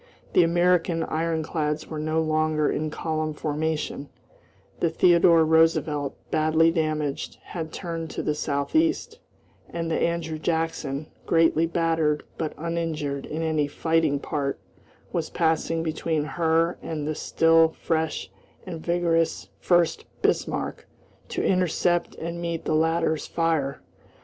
The American ironclads were no longer in column formation; the Theodore Roosevelt, badly damaged, had turned to the southeast, and the Andrew Jackson, greatly battered but uninjured in any fighting part was passing between her and the still fresh and vigorous Furst Bismarck to intercept and meet the latter's fire.